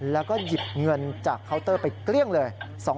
แล้วก็หยิบเงินจากเคาน์เตอร์ไปเกลี้ยงเลย